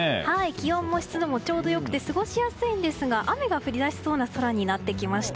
気温も湿度もちょうど良くて過ごしやすいんですが雨が降り出しそうな空になってきました。